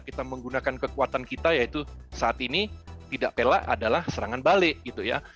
kita menggunakan kekuatan kita yaitu saat ini tidak pelak adalah serangan balik gitu ya